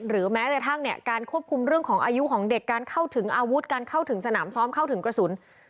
แม้กระทั่งเนี่ยการควบคุมเรื่องของอายุของเด็กการเข้าถึงอาวุธการเข้าถึงสนามซ้อมเข้าถึงกระสุน